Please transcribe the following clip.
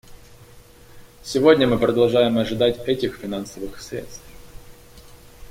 Сегодня мы продолжаем ожидать этих финансовых средств.